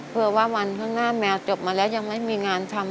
เพื่อว่าวันข้างหน้าแมวจบมาแล้วยังไม่มีงานทำ